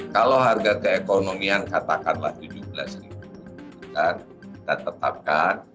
kalau harga keekonomian katakanlah rp tujuh belas kita tetapkan